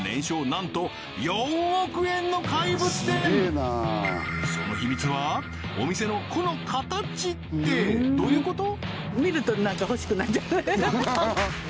なんと４億円の怪物店その秘密はお店のこの形ってどういうこと！？